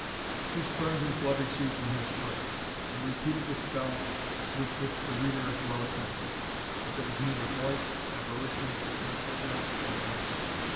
He spurned his bloody shoe from his foot, and repeated the spell with which the reader is well acquainted; but there was neither voice, apparition, nor signal of answer.